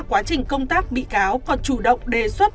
quá trình công tác bị cáo còn chủ động đề xuất